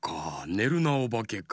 「ねるなおばけ」か。